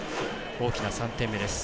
大きな３点目です。